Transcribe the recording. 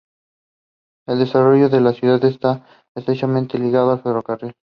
El desarrollo de la ciudad está estrechamente ligado al ferrocarril.